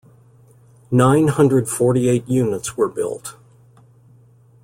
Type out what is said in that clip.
Nine hundred forty-eight units were built.